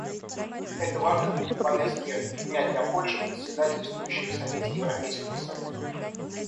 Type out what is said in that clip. Это важный пункт повестки дня для Польши, председательствующей в Совете Европейского союза.